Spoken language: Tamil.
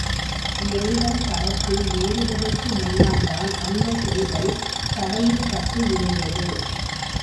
இறைவன் கரத்தில் ஏறுவதற்கு முன்னால்தான் அந்தச் சேவல் தடையிற்பட்டு இருந்தது.